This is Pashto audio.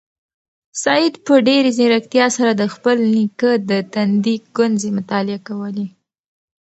سعید په ډېرې ځیرکتیا سره د خپل نیکه د تندي ګونځې مطالعه کولې.